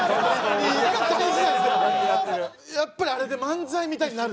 やっぱりあれで漫才みたいになる。